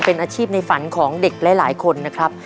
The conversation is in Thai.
เป็นอาชีพในฝันของเด็กหลายคนนะครับ